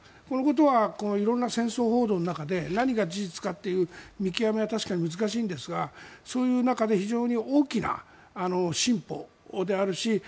このことは色んな戦争報道の中で何が事実かという見極めは確かに難しいんですがそういう中で非常に大きな進歩であるし